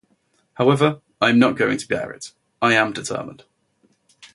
However, I am not going to bear it, I am determined.